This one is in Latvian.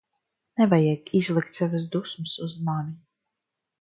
Nevajag izlikt savas dusmas uz mani.